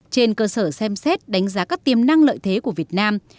trên cơ sở xem xét đánh giá các tiềm năng lợi thế của việt nam